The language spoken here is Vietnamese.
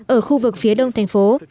ở khu vực phía đông thành phố